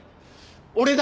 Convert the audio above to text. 俺だ！